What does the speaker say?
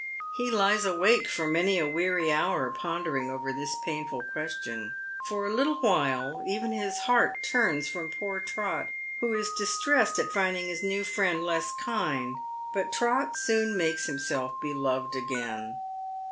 He lies awake for many a weary hour pondering over this painful question. For a little wliile even his heart tunia from poor Trot, who is distressed at finding his new friend less kind, but Trot soon makes himself beloved again.